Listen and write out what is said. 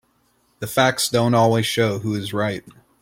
The facts don't always show who is right.